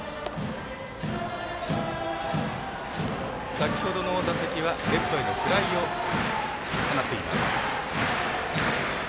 先ほどの打席はレフトへのフライを放っています。